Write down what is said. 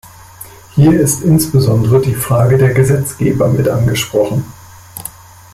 Hier ist insbesondere die Frage der Gesetzgeber mitangesprochen.